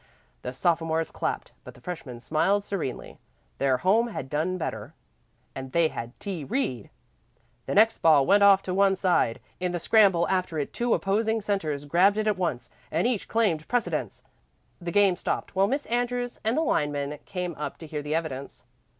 The sophomores clapped, but the freshmen smiled serenely. Their home had done better, and they had T. Reed! The next ball went off to one side. In the scramble after it two opposing centres grabbed it at once, and each claimed precedence. The game stopped while Miss Andrews and the line men came up to hear the evidence.